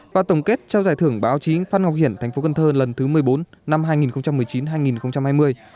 và tổng kết trao giải thưởng báo chí phan ngọc hiển thành phố cần thơ lần thứ một mươi bốn năm hai nghìn một mươi chín hai nghìn hai mươi